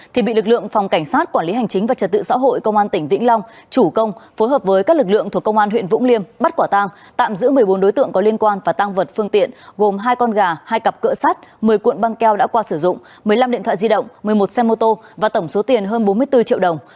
thì bị lực lượng phòng cảnh sát quản lý hành chính và trật tự xã hội công an tỉnh vĩnh long chủ công phối hợp với các lực lượng thuộc công an huyện vũng liêm bắt quả tang tạm giữ một mươi bốn đối tượng có liên quan và tăng vật phương tiện gồm hai con gà hai cặp cỡ sắt một mươi cuộn băng keo đã qua sử dụng một mươi năm điện thoại di động một mươi một xe mô tô và tổng số tiền hơn bốn mươi bốn triệu đồng